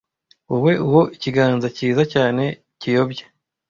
wowe uwo ikiganza cyiza cyane kiyobya